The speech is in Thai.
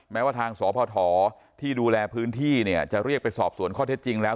แม้ว่าทางสพที่ดูแลพื้นที่เนี่ยจะเรียกไปสอบสวนข้อเท็จจริงแล้ว